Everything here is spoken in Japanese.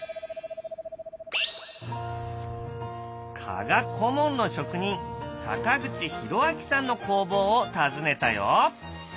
加賀小紋の職人坂口裕章さんの工房を訪ねたよ。